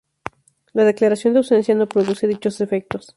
La declaración de ausencia no produce dichos efectos.